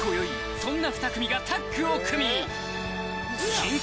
そんな２組がタッグを組み